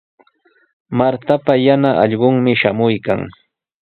Martapa yana allqunmi shamuykan.